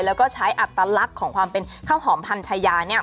แล้วก็ใช้อัตลักษณ์ของความเป็นข้าวหอมพันชายาเนี่ย